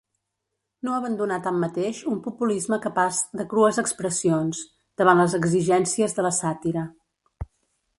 No abandonà tanmateix un populisme capaç de crues expressions, davant les exigències de la sàtira.